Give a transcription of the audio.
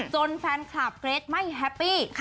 แฟนคลับเกรทไม่แฮปปี้